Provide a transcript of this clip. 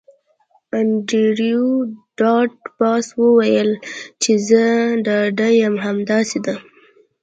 انډریو ډاټ باس وویل چې زه ډاډه یم همداسې ده